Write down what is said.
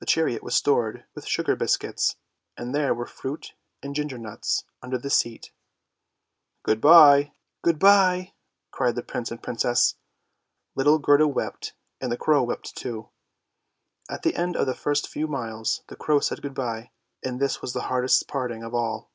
The chariot was stored with sugar biscuits, and there were fruit and ginger nuts under the seat. " Good bye, good bye," cried the Prince and Princess; little Gerda wept and the crow wept too. At the end of the first few miles the crow said good bye, and this was the hardest parting of all.